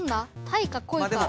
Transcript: たいかこいか。